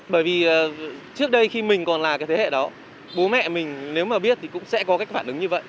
bởi vì trước đây khi mình còn là cái thế hệ đó bố mẹ mình nếu mà biết thì cũng sẽ có cái phản ứng như vậy